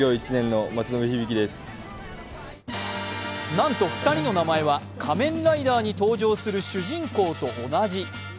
なんと２人の名前は仮面ライダーに登場する主人公と同じ。